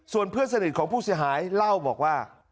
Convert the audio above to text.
ส่วนเพื่อนสนิทของผู้เสียหายเล่าบอกว่า